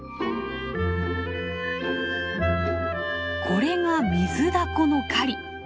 これがミズダコの狩り！